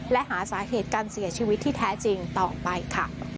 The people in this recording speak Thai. และหาสาเหตุการเสียชีวิตที่แท้จริงต่อไปค่ะ